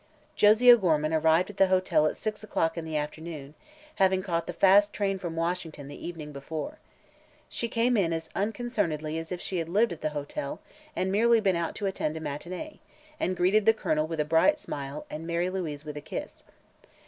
Josie O'Gorman arrived at the hotel at six o'clock in the afternoon, having caught the fast train from Washington the evening before. She came in as unconcernedly as if she had lived at the hotel and merely been out to attend a matinee and greeted the Colonel with a bright smile and Mary Louise with a kiss.